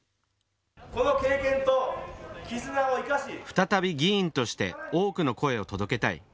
再び議員として多くの声を届けたい。